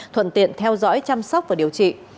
thuận tiện theo dõi chăm sóc và điều trị